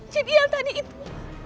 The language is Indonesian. jadi yang tadi itu